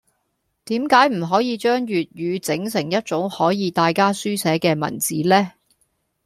點解唔可以將粵語整成一種可以大家書寫嘅文字呢?